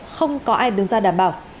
không có ai đứng ra đảm bảo